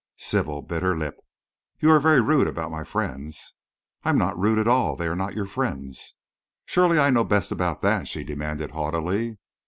Sybil bit her lip. "You are very rude about my friends." "I am not rude at all, and they are not your friends." "Surely I know best about that?" she demanded haughtily.